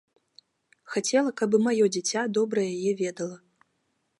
Хацела, каб і маё дзіця добра яе ведала.